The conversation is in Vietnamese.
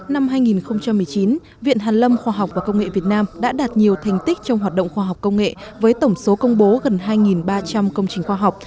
năm hai nghìn một mươi chín viện hàn lâm khoa học và công nghệ việt nam đã đạt nhiều thành tích trong hoạt động khoa học công nghệ với tổng số công bố gần hai ba trăm linh công trình khoa học